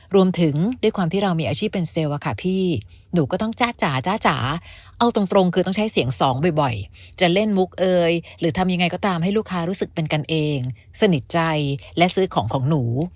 รวมถึงด้วยความที่เรามีอาชีพเป็นเซลล์อะค่ะพี่หนูก็ต้องจ้าจ๋าจ้าจ๋าเอาตรงคือต้องใช้เสียงสองบ่อยจะเล่นมุกเอยหรือทำยังไงก็ตามให้ลูกค้ารู้สึกเป็นกันเองสนิทใจและซื้อของของหนู